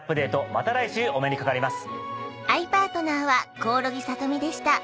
また来週お目にかかります。